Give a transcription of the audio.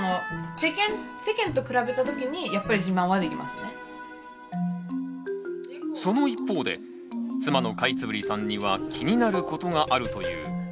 よく友達と話しててその一方で妻のカイツブリさんには気になることがあるという。